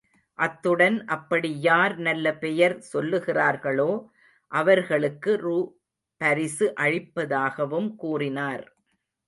அத்துடன் அப்படி யார் நல்ல பெயர் சொல்லுகிறார்களோ அவர்களுக்கு ரூ.பரிசு அளிப்பதாகவும் கூறினார்.